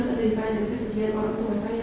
penderitaan dan kesedihan orang tua saya